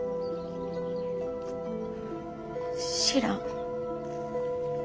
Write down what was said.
知らん。